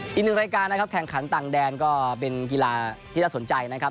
อีกหนึ่งรายการนะครับแข่งขันต่างแดนก็เป็นกีฬาที่น่าสนใจนะครับ